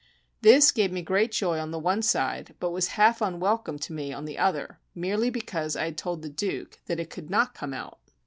This gave me great joy on the one side, but was half unwelcome to me on the other, merely because I had told the Duke that it could not come out.